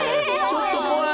ちょっと怖い！